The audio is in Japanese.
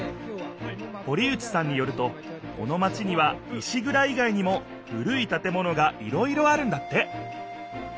堀内さんによるとこのマチには石ぐらい外にも古い建物がいろいろあるんだって。